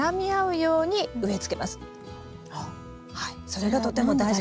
それがとても大事。